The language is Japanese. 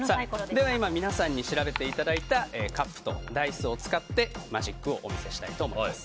皆さんに今、調べていただいたカップとダイスを使ってマジックをお見せしたいと思います。